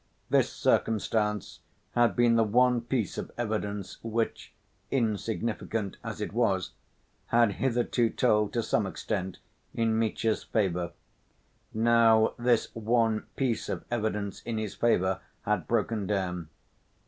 This circumstance had been the one piece of evidence which, insignificant as it was, had hitherto told, to some extent, in Mitya's favor. Now this one piece of evidence in his favor had broken down.